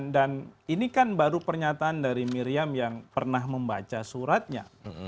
dan ini kan baru pernyataan dari miriam yang pernah membaca suratnya